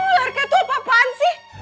warga tuh apa apaan sih